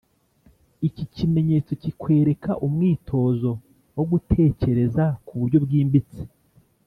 iki kimenyetso kikwereka umwitozo wo gutekereza ku buryo bwimbitse